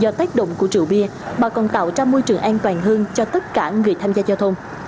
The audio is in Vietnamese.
do tác động của rượu bia mà còn tạo ra môi trường an toàn hơn cho tất cả người tham gia giao thông